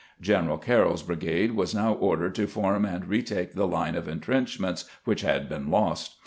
Greneral Carroll's bri gade was now ordered to form and retake the line of intrenchments which had been lost.